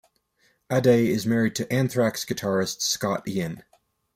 Aday is married to Anthrax guitarist Scott Ian.